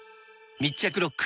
密着ロック！